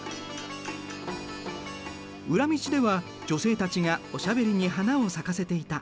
裏道では女性たちがおしゃべりに花を咲かせていた。